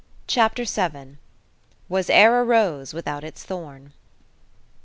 CHAPTER SEVEN Was E'er a Rose Without Its Thorn?